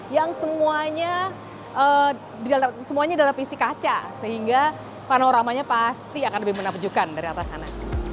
yang semuanya adalah isi kaca sehingga panoramanya pasti akan lebih menakjukan dari atas sana